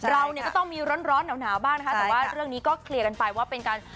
เราเนี่ยก็ต้องมีร้อนหนาวบ้างนะคะแต่ว่าเรื่องนี้ก็เคลียร์กันไปว่าเป็นการ